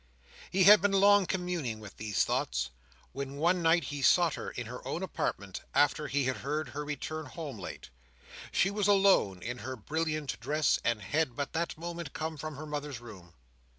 He had been long communing with these thoughts, when one night he sought her in her own apartment, after he had heard her return home late. She was alone, in her brilliant dress, and had but that moment come from her mother's room.